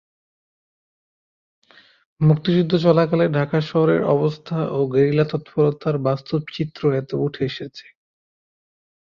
মুক্তিযুদ্ধ চলাকালে ঢাকা শহরের অবস্থা ও গেরিলা তৎপরতার বাস্তব চিত্র এতে উঠে এসেছে।